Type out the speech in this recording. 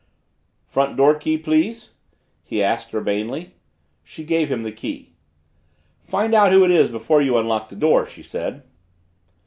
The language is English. "Front door key, please?" he asked urbanely. She gave him the key. "Find out who it is before you unlock the door," she said.